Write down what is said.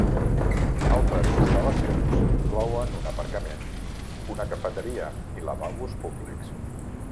Altres instal·lacions inclouen un aparcament, una cafeteria i lavabos públics.